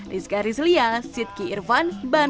di sekaris lian siti irvada